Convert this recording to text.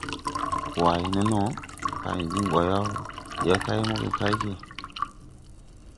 Way: « Ne no? Payn diŋ ɓo yaw, ndi a kay moge kay ge. ».